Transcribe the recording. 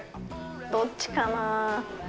どっちかな。